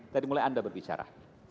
dari mulai anda berbicara